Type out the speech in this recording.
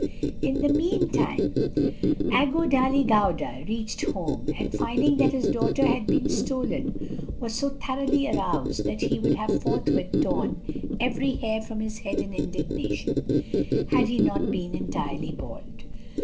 = In the meantime, Aggo Dali Gauda reached home, and finding that his daughter had been stolen, was so thoroughly aroused that he would have forthwith torn every hair from his head in indignation, had he not been entirely bald.